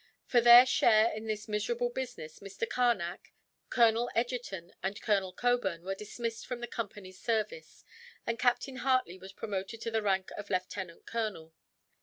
For their share in this miserable business Mr. Carnac, Colonel Egerton, and Colonel Cockburn were dismissed from the Company's service; and Captain Hartley was promoted to the rank of lieutenant colonel.